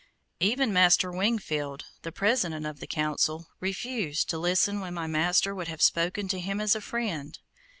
Even Master Wingfield, the President of the Council, refused to listen when my master would have spoken to him as a friend.